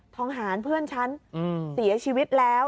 ทหารเพื่อนฉันเสียชีวิตแล้ว